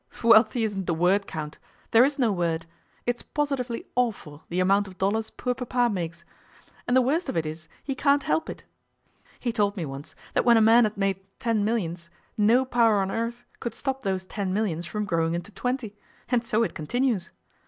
'Wealthy isn't the word, Count. There is no word. It's positively awful the amount of dollars poor Papa makes. And the worst of it is he can't help it. He told me once that when a man had made ten millions no power on earth could stop those ten millions from growing into twenty. And so it continues.